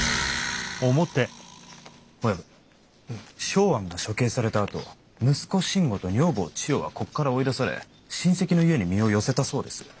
松庵が処刑されたあと息子慎吾と女房千代はここから追い出され親戚の家に身を寄せたそうです。